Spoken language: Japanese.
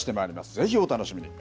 ぜひお楽しみに。